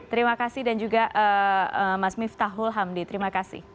terima kasih dan juga mas miftahul hamdi terima kasih